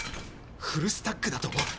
フルスタックだと？